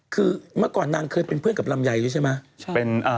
คือเมื่อก่อนนางเคยเป็นเพื่อนกับลำไยด้วยใช่ไหม